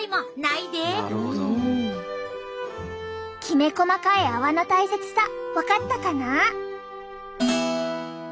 きめ細かい泡の大切さ分かったかな？